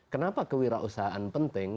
kenapa kewirausahaan penting